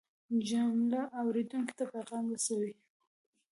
جمله اورېدونکي ته پیغام رسوي.